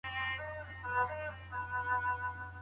ولي مدام هڅاند د مستحق سړي په پرتله برخلیک بدلوي؟